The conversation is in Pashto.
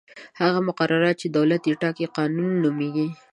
هغه مقررات چې دولت یې ټاکي قانون نومیږي.